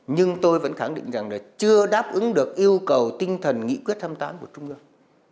nhưng tôi vẫn khẳng định rằng là chưa đáp ứng được yêu cầu tinh thần nghị quyết hai mươi tám của trung ương